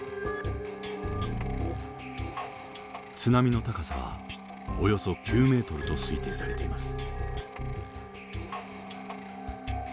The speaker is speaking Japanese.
津波の高さはおよそ９メートルと推定されています。